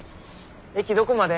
駅どこまで？